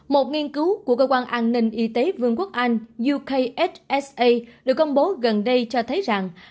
một nghiên cứu của cơ quan an ninh y tế vương quốc anh yuksa được công bố gần đây cho thấy rằng